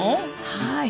はい。